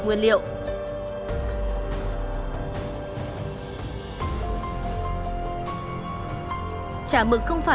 chả mực không phải là một loại phụ da nhưng nó có thể là một loại phụ da